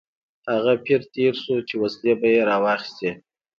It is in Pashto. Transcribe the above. هغه پیر تېر شو چې وسلې به یې راواخیستې.